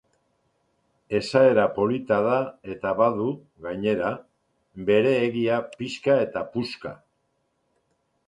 Esaera polita da eta badu, gainera, bere egia pixka eta puska.